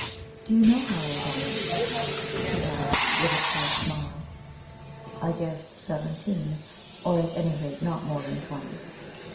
"Do you know how old I am?" she asked, with a slight smile. I guessed seventeen, or at any rate not more than twenty.